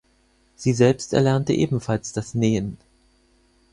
Sie selbst erlernte ebenfalls das Nähen.